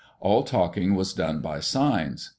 All talking was done by signs.